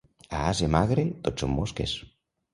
A ase magre, tot són mosques.